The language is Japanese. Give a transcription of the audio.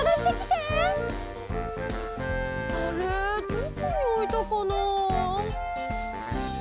どこにおいたかなあ。